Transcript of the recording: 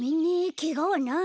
けがはない？